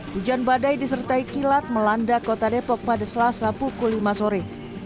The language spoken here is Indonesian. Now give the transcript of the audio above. hujan badai disertai kilat melanda kota depok pada selasa pukul lima sore